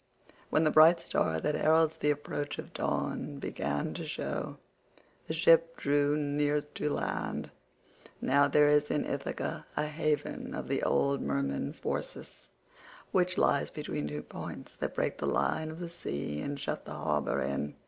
When the bright star that heralds the approach of dawn began to show, the ship drew near to land.112 Now there is in Ithaca a haven of the old merman Phorcys, which lies between two points that break the line of the sea and shut the harbour in.